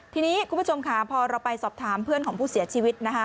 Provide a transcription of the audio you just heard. ทีนี้คุณผู้ชมค่ะพอเราไปสอบถามเพื่อนของผู้เสียชีวิตนะคะ